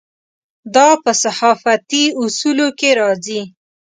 دا په صحافتي اصولو کې راځي.